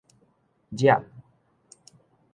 冉